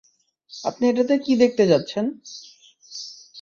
আপনি এটাতে কি দেখতে যাচ্ছেন।